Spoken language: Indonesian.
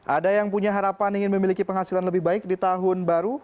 ada yang punya harapan ingin memiliki penghasilan lebih baik di tahun baru